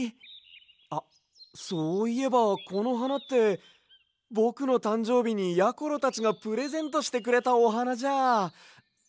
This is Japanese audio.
あっそういえばこのはなってぼくのたんじょうびにやころたちがプレゼントしてくれたおはなじゃ。